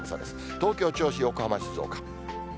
東京、銚子、横浜、静岡。